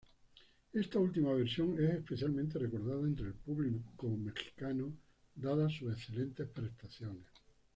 Esta última versión es especialmente recordada entre el público mexicano dadas sus excelentes prestaciones.